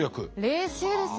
冷静ですね。